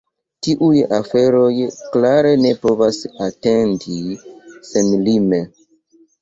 Tiuj aferoj klare ne povas atendi senlime.